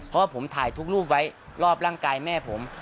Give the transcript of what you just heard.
เพราะว่าผมถ่ายทุกรูปไว้รอบร่างกายแม่ผม